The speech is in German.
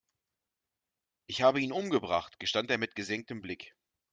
Ich habe ihn umgebracht, gestand er mit gesenktem Blick.